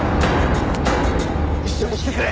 一緒に来てくれ！